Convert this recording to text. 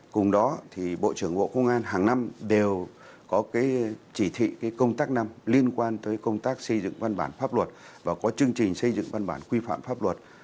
cùng đó thì bộ trưởng bộ công an hàng năm đều có cái chỉ thị công tác năm liên quan tới công tác xây dựng văn bản pháp luật và có chương trình xây dựng văn bản quy phạm pháp luật